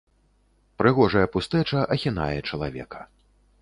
Прыгожая пустэча ахінае чалавека.